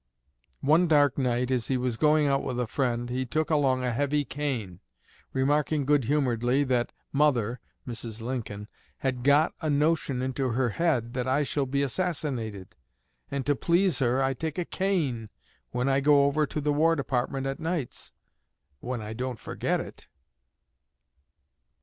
One dark night, as he was going out with a friend, he took along a heavy cane, remarking good humoredly that "mother" (Mrs. Lincoln) had "got a notion into her head that I shall be assassinated, and to please her I take a cane when I go over to the War Department at nights when I don't forget it."